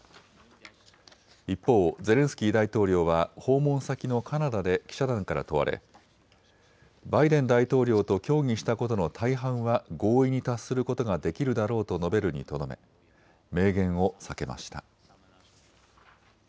一方、ゼレンスキー大統領は訪問先のカナダで記者団から問われ、バイデン大統領と協議したことの大半は合意に達することができるだろうと述べるにとどめ明言を避けました。